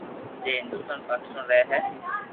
جي هندستان، پاڪستان رھي ھي